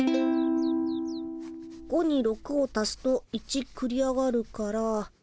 ５に６を足すと１くり上がるから。